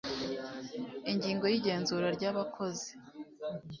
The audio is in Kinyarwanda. ingingo yigenzura ryabakozi